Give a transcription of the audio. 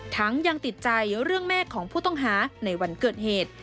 ยังติดใจเรื่องแม่ของผู้ต้องหาในวันเกิดเหตุ